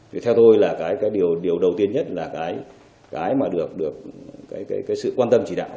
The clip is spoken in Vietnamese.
thì theo tôi là cái điều đầu tiên nhất là cái mà được sự quan tâm chỉ đạo